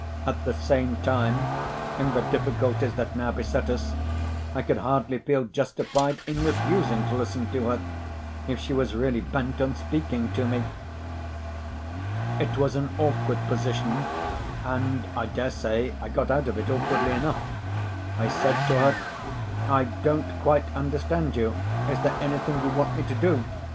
At the same time, in the difficulties that now beset us, I could hardly feel justified in refusing to listen to her, if she was really bent on speaking to me. It was an awkward position; and I dare say I got out of it awkwardly enough. I said to her, 'I don't quite understand you. Is there anything you want me to do?